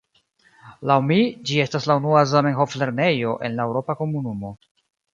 Laŭ mi, ĝi estas la unua Zamenhof-lernejo en la Eŭropa Komunumo.